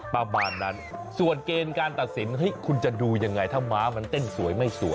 ประมาณนั้นส่วนเกณฑ์การตัดสินคุณจะดูยังไงถ้าม้ามันเต้นสวยไม่สวย